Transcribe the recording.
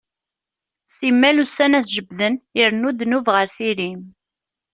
Simmal ussan ad t-jebbden, irennu dnub ɣer tiri-m.